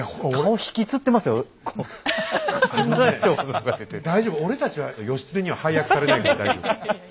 あのね大丈夫俺たちは義経には配役されないから大丈夫。